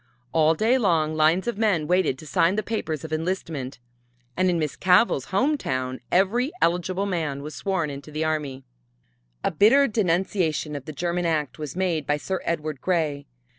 All day long lines of men waited to sign the papers of enlistment, and in Miss Cavell's home town every eligible man was sworn into the army. A bitter denunciation of the German act was made by Sir Edward Grey.